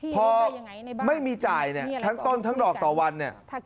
พอไม่มีจ่ายเนี่ยทั้งต้นทั้งดอกต่อวันเนี่ย